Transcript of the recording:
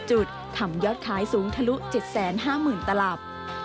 จุดทำยอดขายสูงทะลุ๗๕๐๐๐ตลับ